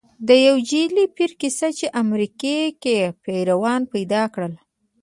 نوټ: د یو جعلې پیر کیسه چې امریکې کې پیروان پیدا کړل